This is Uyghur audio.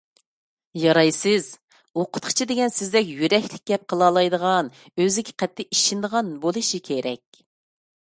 يارايسىز! ئوقۇتقۇچى دېگەن سىزدەك يۈرەكلىك گەپ قىلالايدىغان، ئۆزىگە قەتئىي ئىشىنىدىغان بولۇشى كېرەك.